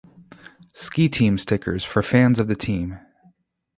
Ski Team stickers for fans of the team.